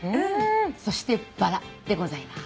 そしてバラでございます。